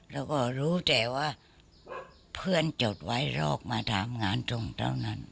เราก็รู้แต่ว่าเพื่อนจดไว้รอกมาถามงานตรงเท่านั้น